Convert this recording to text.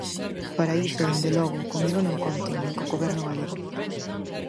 Para iso, dende logo, comigo non conten, nin co Goberno galego.